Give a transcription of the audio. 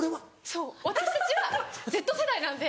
そう私たちはＺ世代なんで。